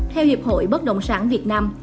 theo hiệp hội bất động sản việt nam